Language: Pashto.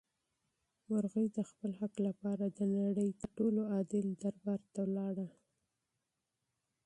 مرغۍ د خپل حق لپاره د نړۍ تر ټولو عادل دربار ته لاړه.